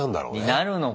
になるのか